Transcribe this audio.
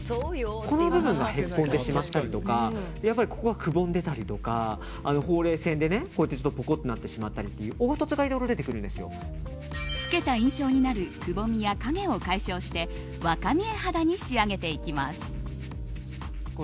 この部分がへこんでしまったりとかやっぱりここがくぼんでいたりとかほうれい線でぽこっとなってしまったりという老けた印象になるくぼみや影を解消して若見え肌に仕上げていきます。